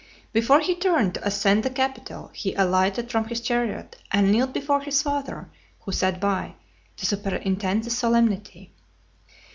Before he turned to ascend the Capitol, he alighted from his chariot, and knelt before his father, who sat by, to superintend the solemnity.